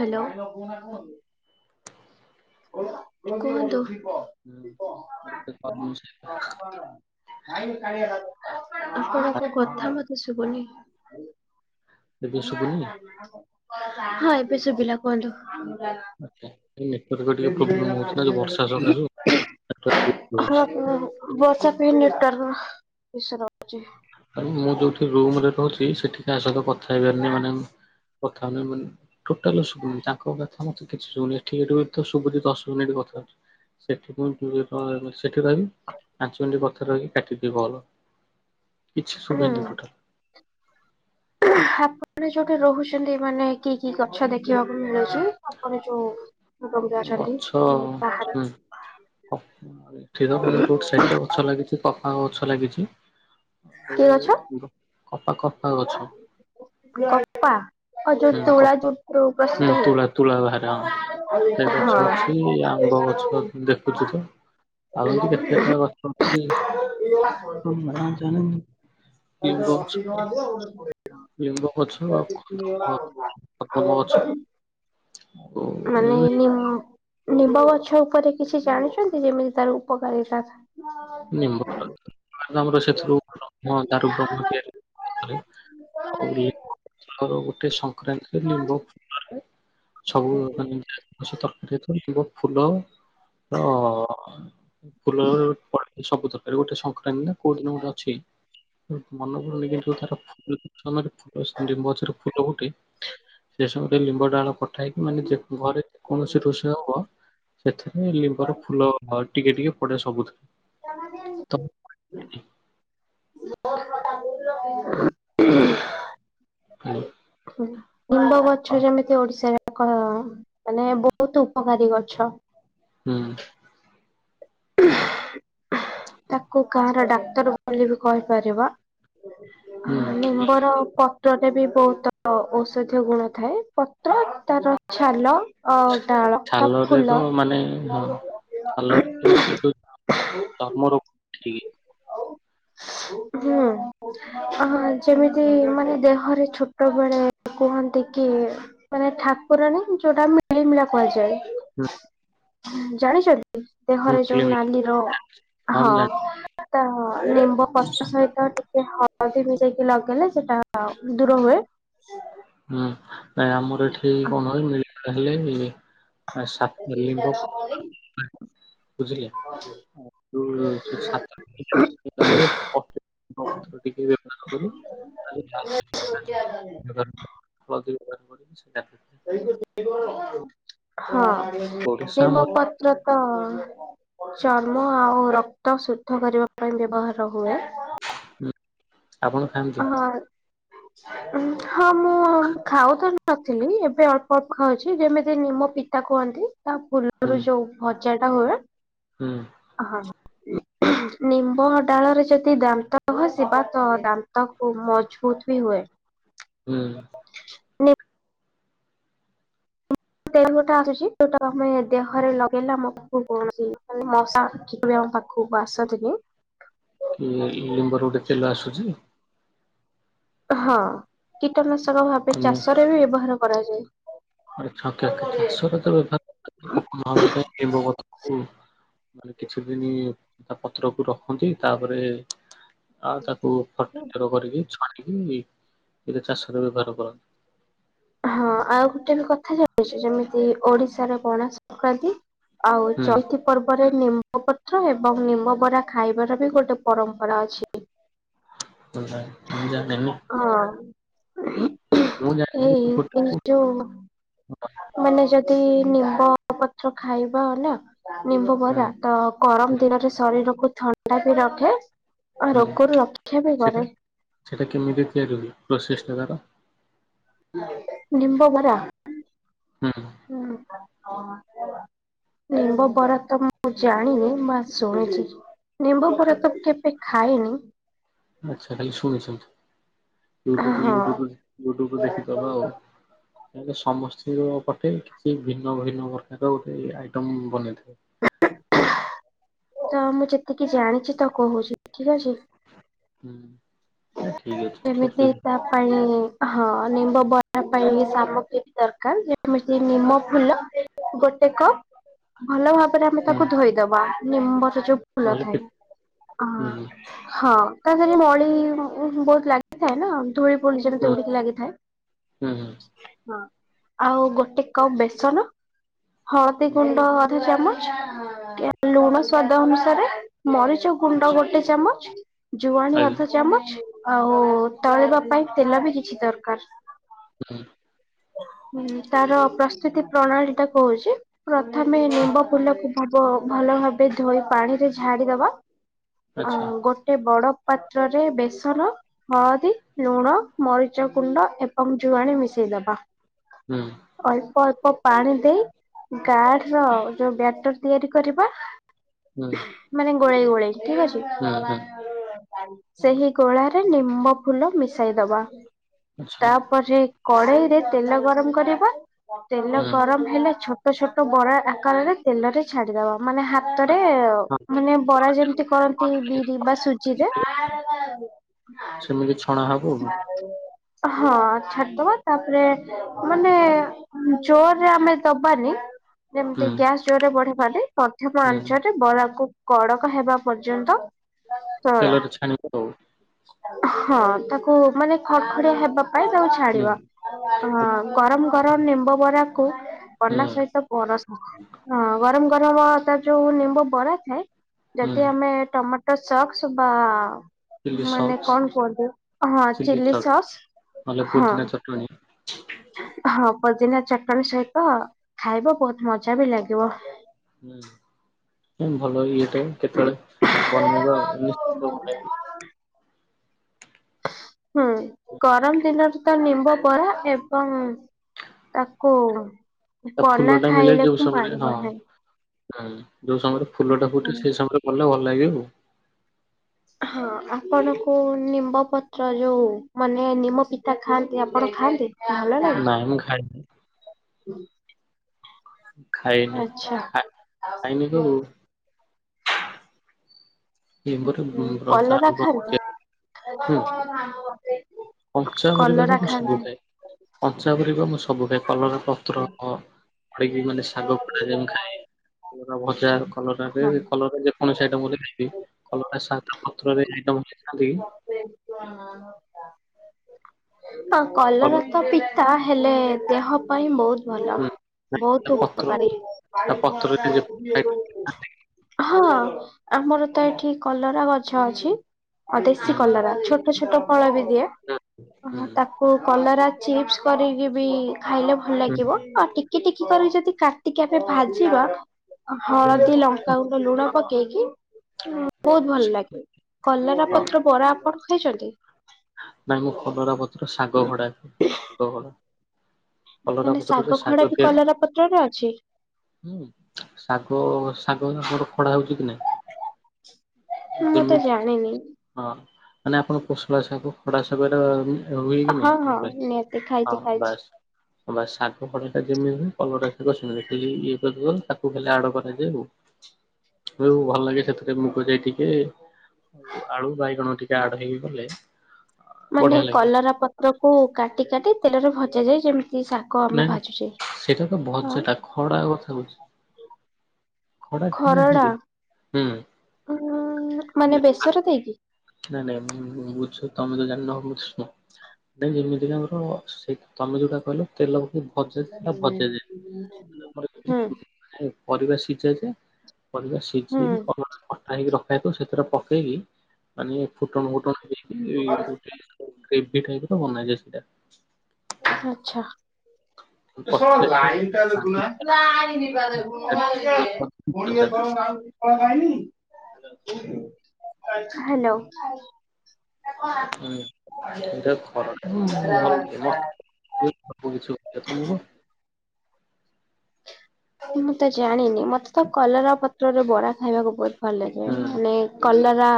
Hello. କୁହନ୍ତୁ। [unintelligible] ଆପଣଙ୍କ fast କଥା ମତେ ଶୁଭୁନି। ଏବେ ଶୁଭୁନି ହଁ ଏବେ ଶୁଭିଲା। କୁହନ୍ତୁ। ଆଚ୍ଛା ଏଇ ନେଟୱାର୍କ ଟିକେ ପ୍ରୋବ୍ଲେମ ହଉଛି ନା ଯୋଉ ବର୍ଷା ସକାଶୁ [inaudible] ବର୍ଷା ପାଇଁ ନେଟ୍ ୱାର୍କ ଇସୁ ର ଆଉ ମୁଁ ଯୋଉଠି ରୁମରେ ରହୁଛି ସେଠି କା ସହିତ କଥା ହେଇପାରିନି ମାନେ କଥା ହଉନି ବୋଲି ଟୋଟାଲୁ ତାଙ୍କ କଥା ମତେ କିଛି ଶୁଭୁନି ଏଠୀ ଗୋଟେ ବି ଶୁୁଭୁଛି ଦଶ ମିନିଟ କଥାହୋଇଚି। ସେଠି [inaudible] ସେଠି ରହିି ପାଞ୍ଚ ମିନିଟ ବଥାରେ ରହିକି କାଟିଦେବୀ କଲ। କିଛି ହୁଁ ସୁଭେନି ଟୋଟାଲ୍। ଆପଣ ଯୋଉଠି ରହୁଛନ୍ତି ମାନେ କି କି ଗଛ ଦେଖିବାକୁ ମିଳୁଛି ଆପଣ ଯୋଉ ରୁମରେ ଅଛନ୍ତି ଗଛ ବାହାରେ ହୁଁ [inaudible] ଏଠୀରୋଡ୍ ସାଇଟରେ ଗଛ ଲାଗିଚି। କପା ଗଛ ଲାଗିଛି ଆଉ କି ଗଛ? ଗ କପା କପା ଗଛ। କପା ଓ ଯୋଉ ହୁଁ କ ତୁଳା ଯୋଉଠୁ ପ୍ରସ୍ତୁତ ହୁଁ ତୁଳା ତୁଳା ଭାରେ ହଁ। ହୁଏ। ସେ ଗଛ ହଁ। ଅଛି ଆମ୍ବ ଗଛ ଦେଖୁଛି ତ। ଆଉ ଏମିତି କେତେଟା ଗଛ ଅଛି ସବୁ ନାଁ ଜାଣିନି। ଲିମ୍ବ ଗଛ ଲିମ୍ବ [inaudible] ଗଛ କଦମ [inaudible] ହଉ। ମାନେ ନି ନିମ୍ବ ଗଛ ଉପରେ କିଛି ଜାଣିଛନ୍ତି ଯେମିତି ତାର ଉପକାରିତା। [unintelligible] [inaudible] ତାର ଗୋଟେ ସ [unintelligible] ଫୁଲ ର ଫୁଲ ରୁ ସେ ସବୁ ଦରକାର ଗୋଟେ ସଂକ୍ରାନ୍ତି ନା କୋଉଁ ଦିନ ଗୋଟେ ଅଛି। [unintelligible] ସେ ସବୁ ରେ ଲିମ୍ବ ଡାଳ ପ [unintelligible] ଟିକେ ଟିକେ ପଡ଼େ ସବୁଥିରେ। [inaudible] [unintelligible] [inaudible] ହ୍ୟାଲୋ। ହୁଁ ନିମ୍ବ ଗଛ ଯେମିତି ଓଡି଼ଶାରେ ତାଙ୍କ ମାନେ ବହୁତ ଉପକାରୀ ଗଛ। ହୁଁ। ତାକୁ ଗାଆଁ ର ଡାକ୍ତର ବୋଲି ବି କହିପାରିବା। ହୁଁ ନିମ୍ବର ପ ପତ୍ରରେ ବି ବହୁତ ଔଷଧୀୟ ଗୁଣ ଥାଏ ପତ୍ର ତାର ଛାଲ ଅ ଡାଳ ତା ଛାଲରେ ତ ଫୁଲ। ମାନେ ହଁ [unintelligible] ହୁଁ। ଅ ଯେମିତି ମାନେ ଦେହରେ ଛୋଟ ବେଳେ କୁହନ୍ତି କି ମାନେ ଠାକୁରଣୀ ଯୋଉଟା ମିଳିମିଳା କୁହାଯାଏ। ହଁ। ଜାଣିଛନ୍ତି ଦେହରେ ଯୋଉ କିଳିମିଳି ନାଲିର ହଁ। ମୁଁ ଜାଣିଛି ଲିମ୍ବ ପତ୍ର ସହିତ ଟିକେ ହଳଦୀ ମିଶେଇକି ଲଗେଇଲେ ସେଟା ଦୂର ହୁଏ। ହୁଁ ନାଇଁ ଆମର ଏଠି କଣ କି ମିଳିମିଳା ହେଲେ [unintelligible] ବୁଝିଲେ? ଯୋଉ [inaudible] [unintelligible] [unintelligible] [unintelligible] ହଁ ସୋରିଷ ନିମ୍ବ ଆମର ପତ୍ର ତ ଚର୍ମ ଆଉ ରକ୍ତ ଶୁଦ୍ଧ କରିବା ପାଇଁ ବ୍ୟବହାର ହୁଏ। ହୁଁ ଆପଣ ଖାଆନ୍ତି? ହଁ। ହଁ ମୁଁ ଖାଉ ତ ନଥିଲି ଏବେ ଅଳ୍ପ ଅଳ୍ପ ଖାଉଛି ଯେମିତି ନିମ ପିତା କୁହନ୍ତି ତା ହୁଁ ଫୁଲରୁ ଯୋଉ ଭଜା ଟା ହୁଏ ହୁଁ। ହଁ ନିମ୍ବ ଡାଳରେ ଯଦି ଦାନ୍ତ ଘସିବା ତ ଦା ଦାନ୍ତ ଖୁବ୍ ମଜବୁତ ବି ହୁଏ। ହୁଁ। ନି ତ ଗୋଟେ ଆସୁଛି ଯୋଉଟା ଆମେ ଦେହରେ ଲଗେଇଲା ମୋ ପାଖକୁ କୌଣସି ମଶା ବି ଆମ ପାଖ କୁ ଆସନ୍ତିନି। କି ଲିମ୍ବ ର ଗୋଟେ ତେଲ ଆସୁଛି? ହଁ କୀଟନାଶକ ଭାବେ ଚାଷରେ ବି ବ୍ୟବହାର କରାଯାଏ। ଚାଷ ରେ [unintelligible] ପାଇଁ ନିମ୍ୱ ପତ୍ର କୁ ମାନେ କିଛି ଦିନ ତା ପତ୍ରକୁ ରଖନ୍ତି ତାପରେ ଆଉ ତାକୁ [unintelligible] କରିକି ଛାଣିକି ସେଇଟା ଚାଷରେ ବ୍ୟବହାର କରନ୍ତି। ହଁ ଆଉ ଗୋଟେ ବି କଥା ଜାଣିଛି ଯେମିତି ଓଡ଼ିଶାର ପଣା ସଂକ୍ରାନ୍ତି ଆଉ ହୁଁ ଚଇତି ପର୍ବରେ ନିମ୍ବ ପତ୍ର ଏବଂ ନିମ୍ବ ବରା ଖାଇବାର ବି ଗୋଟେ ପରମ୍ପରା ଅଛି। [inaudible] ଜାଣିନି ହଁ। ମୁଁ ଜାଣିଥିଲି ଏଇ ଏ ପୋଟକୁ ଯୋଉ ହୁଁ ମାନେ ଯଦି ନିମ୍ବ ନିମ୍ବ ପତ୍ର ଖାଇବା ନା ନିମ୍ବ ବରା ହୁଁ ତ ଗରମ ଦିନରେ ଶରୀରକୁ ଥଣ୍ଡା ବି ରଖେ ଆଉ ରୋଗରୁ ରକ୍ଷା ବି କରେ। ସେଇଟା କେମିତି ତିଆରି ହୁଏ ପ୍ରୋସେସ ଟା ତାର? ନିମ୍ୱ ବରା। ହୁଁ। ହୁଁ। ନିମ୍ବ ବରା ତ ମୁଁ ଜାଣିନି ମୁଁ ଶୁଣିଛି। ନିମ୍ବ ବରା ତ କେବେ ଖାଇନି। ଆଛା ଖାଲି ଶୁଣିଛନ୍ତି। ୟୁଟୁବୁ ହଁ। ୟୁଟୁବୁ ୟୁଟ୍ୟୁବୁ ରୁ ଦେଖିଦବା ଆଉ। ତାଲେ ସମସ୍ତଙ୍କ ପଟେ କିଛି ଭିନ୍ନ ଭିନ୍ନ ପ୍ରକାର ଗୋଟେ ଆଇଟମ ବନେଇଥିବ। ତ ମୁଁ ଯେତିକି ଜାଣିଛି ତ କହୁଛି ଠିକ ଅଛି। ହୁଁ। ନା ଠିକ ଅଛି କିଛି କେମିତି ଅସୁବିଧା ନାହିଁ। ତା ପାଇଁ ହଁ ନିମ୍ବ ବନବା ପାଇଁ ସାମଗ୍ରୀ ବି ଦରକାର ଯେମିତି ନିମ ଫୁଲ ଗୋଟେ କପ ଭଲ ଭାବରେ ଆମେ ହୁଁ ତାକୁ ଧୋଇଦବା ନିମ୍ବର ଯୋଉ ଫୁଲ ନହେଲେ ଥାଏ କି ହୁଁ ହଁ ତାରେ ମାଳି ବହୁତ ଲାଗିଥାଏ ନା ଧୂ, ଳି ପୁଣି ଯେମିତି ହୁଁ ଉଠିକି ଲାଗିଥାଏ। ହୁଁ ହୁଁ ହଁ ଆଉ ଗୋଟେ କପ ବେସନ, ହଳଦୀ ହୁଁ ଗୁଣ୍ଡ ଅଧ ଚାମଚ ଲୁଣ ସ୍ୱାଦ ଅନୁସାରେ, ମରିଚ ଗୁଣ୍ଡ ଆଚ୍ଛା ଗୋଟେ ଚାମଚ ଜୁଆଣି ଆଜ୍ଞା ଅଧ ଚାମଚ ଆଉ ତଳିିବା ପାଇଁ ତେଲ ବି କିଛି ଦରକାର। ହୁଁ ଉଁ। ତାର ପ୍ରସ୍ତୁତି ପ୍ରଣାଳୀ ଟା କହୁଛି, ପ୍ରଥମେ ନିମ୍ବ ଫୁଲକୁ ସବ ଭଲ ଭାବେ ଧୋଇ ପାଣି ରେ ଝାଡିଦବା ଆଚ୍ଛା ଗୋଟେ ବଡ ପାତ୍ରରେ ବେସନ ହଳଦୀ, ଲୁଣ, ମରିଚ କୁଣ୍ଡ ଏବଂ ଜୁଆଣି ମିଶେଇଦବା। ହୁଁ ଉଁ। ଅଳ୍ପ ଅଳ୍ପ ପାଣି ଦେଇ ଗାଡ ର ଯୋଉ ବ୍ୟାଟର ତିଆରି କରିବା। ହୁଁ ମାନେ ଗୋଳେଇ ଗୋଳେଇ ଠିକ ହୁଁ ହୁଁ ଅଛି। ସେହି ଗୋଳାରେ ନିମ୍ବ ଫୁଲ ମିଶାଇଦବା ଆଚ୍ଛା ତାପରେ କଢେଇ ରେ ତେଲ ଗରମ କରିବା, ତେଲ ହୁଁ ଗରମ ହେଲା ଛୋଟ ଛୋଟ ଛୋଟ ବରା ଆକାରରେ ତେଲ ରେ ଛାଡିଦବା, ମାନେ ହାତରେ ଆଚ୍ଛା ହଁ, ମାନେ ବରା ଯେମିତି କରନ୍ତି, ବିରି ବା ସୁଜିରେ [unintelligible] ସେମିତି ଛଣା ହେବ ଆଉ। ହଁ ଛାଡିଦବା ତାପରେ ମାନେ ଜୋରରେ ଆମେ ଦବାନି, ଯେମିତି ହୁଁ ଜଷ୍ଟ ବଢବାରେ ମଧ୍ୟମ ହୁଁ ଆଞ୍ଚରେ ବରାକୁ କଡ଼କ ହେବା ପର୍ଯ୍ୟନ୍ତ ତଳ ତେଲରେ ଛାଣିବ ଆଉ। ହଁ ତାକୁ ମାନେ ଖଡ ଖଡିଆ ହେବା ପାଇଁ ତାକୁ ହୁଁ ଛାଡିବା। ଅ ଗରମ ଗରମ ନିମ୍ବ ବରାକୁ ହୁଁ। ପନା ସହିତ ପରସ। ହଁ ଗରମ ଗରମ ତାର ଯୋଉ ନିମ୍ବ ବରା ଥାଏ। ହୁଁ ଯଦି ଆମେ ଟମାଟୋ ସକ୍ସ ବା ଚିଲି ମାନେ ସକ୍ସ କଣ କୁହନ୍ତୁ ହଁ ଚି ଚିଲି ସକ୍ସ ସସ୍ ନହେଲେ ହଁ ଅ। [unintelligible] ହଁ ପଦିନା ଚଟଣି ସହିତ ଖାଇବ ବହୁତ ମଜା ବି ଲାଗିବ। ହୁଁ ଭଲ ଇଏଟା କେତେବେଳେ ବନେଇବା ଆଉ [unintelligible] ବନେଇବା। ହୁଁ ହୁଁ। ଗରମ ଦିନରେ ତ ନିମ୍ବ ବରା ଏବଂ ତାକୁ ତା ଫୁଲ ପନା ଟା ମିଳେ ଯୋଉ ଖାଇବାକୁ ମା ସମୟରେ ହଁ [unintelligible] ହୁଁ ଯଉ ସମୟରେ ଫୁଲ ଟା ଫୁଟେ ସେଇ ସମୟରେ ଗଲେ ଭଲ ଲାଗିବ ଆଉ। ହଁ ଆପଣଙ୍କୁ ନିମ୍ବ ପତ୍ର ଯୋଉ ମାନେ ନିମ ପିଠ ଖାଆନ୍ତି ଆପଣ ଖାଆନ୍ତି। ଏ ଆମ୍ବେଲଟ ନାଇଁ ମୁଁ ଖାଇନି ଖାଇନି ଆଚ୍ଛା ଖା ଖାଇନି ଗୋ ହୁଁ କଲରା [unintelligible] ଖାଆନ୍ତି? ହୁଁ କଞ୍ଚା ପରିବାର କଲରା ମୁଁ ସବୁ ଖାଆନ୍ତି। ଖାଏ। ପଞ୍ଚା ପରିବା ମୁଁ ସବୁ ଖାଏ କଲର ପତ୍ର ପଡିକି ମାନେ ଶାଗ ପୋଡା ଯେମି ଖାଇ ପୁରା ଭଜା କଲରରେ ହଁ କଲରେ ଯେ କୌଣସି ଆଇଟମ କଲେ ଖାଇଦେବି କଲରା ସ୍ୱାଦ ପତ୍ରରେ ଆଇଟମ ତ କଲ କଲରା ତ ପି ତାହେଲେ ଦେହ ପାଇଁ ବହୁତ ଭଲ ହୁଁ ନାଇଁ ତା ବହୁତ ପତ୍ର ଉପକାରୀ। ତା ପତ୍ରରେ ଯେ ହୁଁ ହଁ ଆମର ତ ଏଠି କଲରା ଗଛ ଅଛି। ଅ ଦେଶୀ ହୁଁ କଲରା ଛୋଟ ଛୋଟ ଫଳ ବି ଦିଏ ହୁଁ ତାକୁ କଉ କଲରା ଚିପ୍ସ କରିକି ବି ଖାଇଲେ ଭଲ ହୁଁ। ଲାଗିବ ଆଉ ଟିକେ ଟିକି ଟିକି କରିବି ଯଦି କାଟିକି ଆମେ ଭାଜିବା ହୁଁ। ହଳଦୀ ଲଙ୍କା ଗୁଣ୍ଡ ଲୁଣ ପକେଇକି ବହୁତ ଭଲ ଲାଗେ। କଲରା ହଁ ପତ୍ର ବରା ଆପଣ ଖାଇଛନ୍ତି। ନାଇଁ ମୁଁ କଲରା ପତ୍ର ଶାଗ ଭଡା ଶାଗ ଭଡା କଲରା ମାନେ ପତ୍ରରେ ଶାଗ ଖଡା ବି ତିଆରି କଲରା ପତ୍ରରେ ଅଛି। ହୁଁ ଶାଗ ଶାଗ ମୋର ଖଡା ହଉଛି କି ନାଇଁ। ମୁଁ ତ ଯେମିତି ଜାଣିନି। ହଁ ମାନେ ଆପଣ ଖଡା ଶାଗ ଖଡା ଶାଗ ଟା ହୁଏ କି ହଁ ନାହିଁ ହଁ ଘରେ ନିହାତି ଖାଇଛି ହଁ ଖାଇଛି। ବାସ୍। ବା ଶାଗ ପଟା ଯେମିତି କଲ ଖାଲି ଇଏଦ ତାକୁ ଖାଲି ଆଡ଼ କରାଯାଏ ଆଉ। ହୁଁ ଭଲ ଲାଗେ ସେଥିରେ ମୁଗ ଯାଇ ଟିକେ ଆଉ ଆଳୁ ବାଇଗଣ ଟିକେ ଆଡ ହେଇକି ଗଲେ। ମାନେ କଲରା ପତ୍ର କୁ କାଟି କାଟି ତେଲରେ ଭଜା ଯାଏ ଯେମିତି ଶାଗ ଆମେ ନାଇ ଭାଜୁଛେ। ସେଇଟା ତ ହଁ ଭଜାଟା ଖଡା କଥା କୋହୁଚି। ଖଡା ଖାଇ ନାହାନ୍ତି ହୁଁ। ଉଁ ମାନେ ବେସର ଦେଇକି। ନାଇଁ ନାଇଁ ଇ ବୁଝ ତମେ ତ ଜମା ନ ବୁଝୁନ। ନାଇଁ ଯେମିତିକା ଆମର ସେ ତମେ ଯୋଉଟା କହିଲ ତେଲ କୁ ଭଜା ସେଇଟା ଭଜା ଯାଏନା। ହୁଁ। ପରିବା ସିଝା ଯେ ପରିବା ହୁଁ। ସିଜେଇକି କଲରା କଟା ହେଇକି ରଖ ସେଥିରେ ପକେଇକି ମାନେ ଫୁଟଣ ଫୁଟଣ ଦେଇକି ଗୋଟେ ଟାଇପ ତ ବନା ଯାଏ ସେଇଟା। ଆଚ୍ଛା ହେ ସଲା ଲାଇନ ଟା ଦେଖୁନା। ଏଇଟା [unintelligible] ହ୍ୟାଲୋ। ହୁଁ ଏଟ ଖରା ଭଲ ଲାଗ ତମକୁ ମୁଁ ତ ଜାଣିନି ମତେ ତ କଲରା ପତ୍ରରେ ବରା ଖାଇବାକୁ ବହୁତ ଭଲ ଲାଗେ ମାନେ କଲରା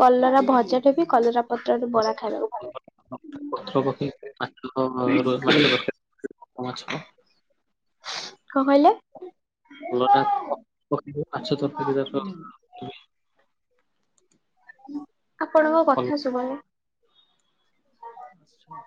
କଲରା ଭଜାଟେ ବି କଲରା ପତ୍ରରେ ବରା ଖାଇବାକୁ ଭଲ। ପ ପ ମାଛ ର ମାଛ ତରକାରୀ କହିଲେ ମାଛ ଟ ମାଛ ତରକାରି ର ଆପଣଙ୍କ ଭଲ। କଥା ଶୁଭୁନି। ଆଚ୍ଛା।